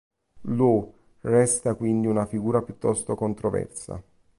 Lowe resta quindi una figura piuttosto controversa.